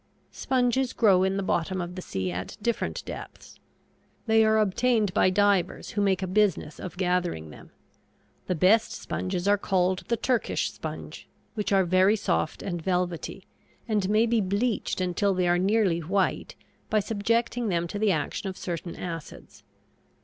Sponges grow in the bottom of the sea at different depths. They are obtained by divers who make a business of gathering them. The best sponges are called the Turkish sponge, which are very soft and velvety, and may be bleached until they are nearly white by subjecting them to the action of certain acids.